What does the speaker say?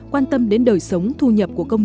quan tâm đến đời sống thu nhập của công nhân